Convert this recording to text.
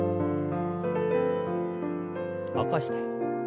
起こして。